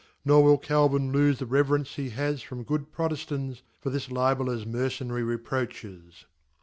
Norm '3 Calvin tofe the reverence he has from good Proiefl ants, for this Libellers mer cenary Reproaches.